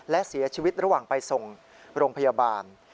และเสียชีวิตระหว่างไปส่งโรงพยาบาล